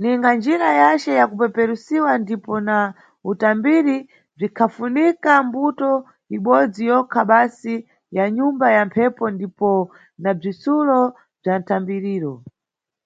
Ninga njira yace ya kupeperusa ndipo na utambiri bzikhafunika mbuto ibodzi yokha basi ya nyumba ya mphepo ndipo na bzitsulo bza mtambiriro.